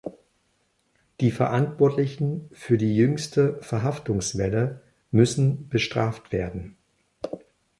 Die Verantwortlichen für die jüngste Verhaftungswelle müssen bestraft werden.